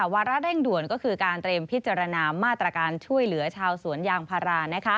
วาระเร่งด่วนก็คือการเตรียมพิจารณามาตรการช่วยเหลือชาวสวนยางพารา